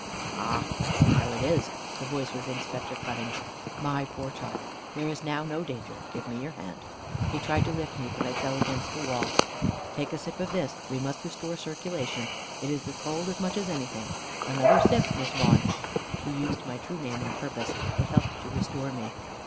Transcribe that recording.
"Ah, I see how it is" the voice was Inspector Cutting's "my poor child, there is now no danger. Give me your hand:" he tried to lift me, but I fell against the wall. "Take a sip of this, we must restore circulation. It is the cold as much as anything; another sip, Miss Vaughan." He used my true name on purpose; it helped to restore me.